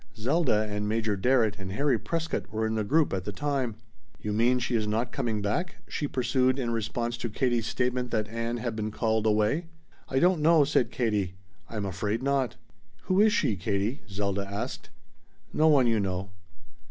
Zelda and Major Darrett and Harry Prescott were in the group at the time. "You mean she is not coming back?" she pursued in response to Katie's statement that Ann had been called away. "I don't know," said Katie. "I'm afraid not." "Who is she, Katie?" Zelda asked. "No one you know."